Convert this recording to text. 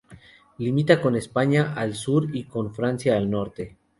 Limita con España al sur y con Francia al norte.